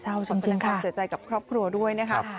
ขอบคุณครับเจอใจกับครอบครัวด้วย